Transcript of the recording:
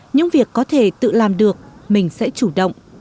những việc có thể tự làm được mình sẽ chủ động